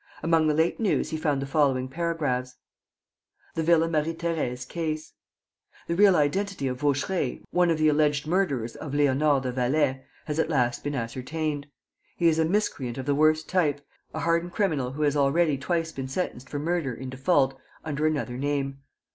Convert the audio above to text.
Among the late news he found the following paragraphs: "THE VILLA MARIE THERESE CASE" "The real identity of Vaucheray, one of the alleged murderers of Léonard the valet, has at last been ascertained. He is a miscreant of the worst type, a hardened criminal who has already twice been sentenced for murder, in default, under another name.